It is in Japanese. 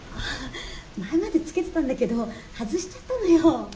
前まで付けてたんだけど外しちゃったのよ。